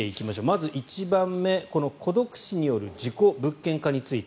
まず１番目、孤独死による事故物件化について。